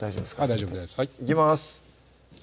大丈夫ですいきます